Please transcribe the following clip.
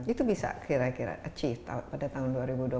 itu bisa kira kira achieve pada tahun dua ribu dua puluh tujuh